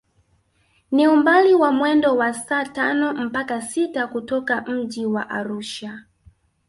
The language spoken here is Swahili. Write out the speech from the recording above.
Ni umbali wa mwendo wa saa tano mpaka sita kutoka mji wa Arusha